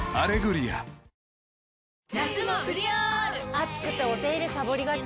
暑くてお手入れさぼりがち。